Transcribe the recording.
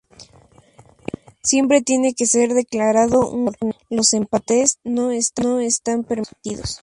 Siempre tiene que ser declarado un ganador, los empates no están permitidos.